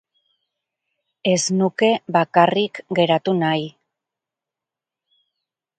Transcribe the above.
Ez nuke bakarrik geratu nahi.